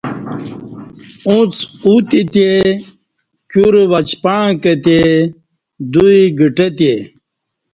اُݩڅ اوتی تے کیور وچپعݩع کہتے، دوئ گھٹہ تے